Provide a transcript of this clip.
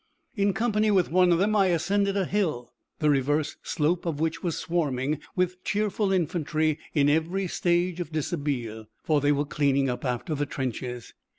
In company with one of them I ascended a hill, the reverse slope of which was swarming with cheerful infantry in every stage of dishabille, for they were cleaning up after the trenches.